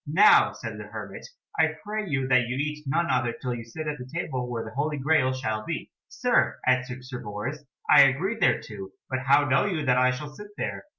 "Now," said the hermit, "I pray you that you eat none other till you sit at the table where the Holy Graal shall be." "Sir," answered Sir Bors, "I agree thereto, but how know you that I shall sit there?"